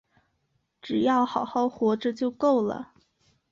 只要好好活着就够了